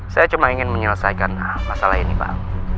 saya cuma ingin menyelesaikan masalah ini pak